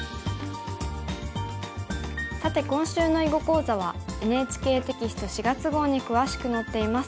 さて今週の囲碁講座はＮＨＫテキスト４月号に詳しく載っています。